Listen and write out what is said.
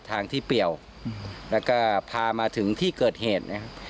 ทางที่เปี่ยวแล้วก็พามาถึงที่เกิดเหตุนะครับ